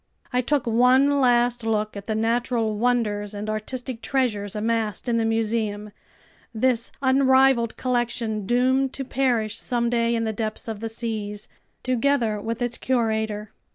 I took one last look at the natural wonders and artistic treasures amassed in the museum, this unrivaled collection doomed to perish someday in the depths of the seas, together with its curator.